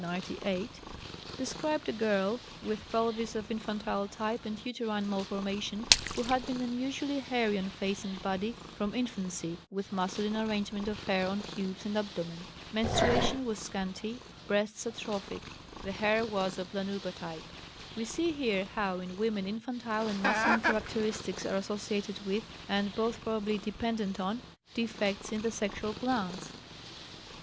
111, 1898) described a girl with pelvis of infantile type and uterine malformation who had been unusually hairy on face and body from infancy, with masculine arrangement of hair on pubes and abdomen; menstruation was scanty, breasts atrophic; the hair was of lanugo type; we see here how in women infantile and masculine characteristics are associated with, and both probably dependent on, defects in the sexual glands.